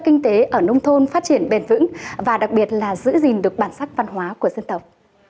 kinh tế ở nông thôn phát triển bền vững và đặc biệt là giữ gìn được bản sắc văn hóa của dân tộc